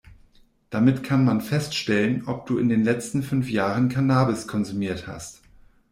Damit kann man festzustellen, ob du in den letzten fünf Jahren Cannabis konsumiert hast.